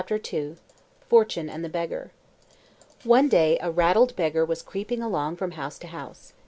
CARLYLE FORTUNE AND THE BEGGAR One day a ragged beggar was creeping along from house to house.